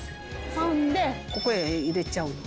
そんでここへ入れちゃうの。